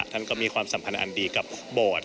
ท่านก็มีความสัมพันธ์อันดีกับโบสถ์